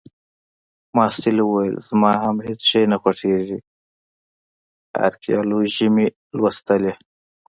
محصل وویل: زما هم هیڅ شی نه خوښیږي. ارکیالوجي مې لوستلې